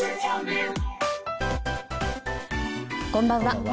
こんばんは。